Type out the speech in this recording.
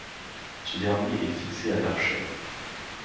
Ce dernier est fixé à l'archet.